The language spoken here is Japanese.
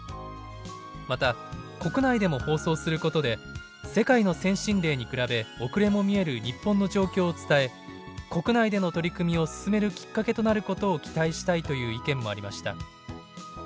また国内でも放送することで「世界の先進例に比べ遅れも見える日本の状況を伝え国内での取り組みを進めるきっかけとなることを期待したい」という意見もありました。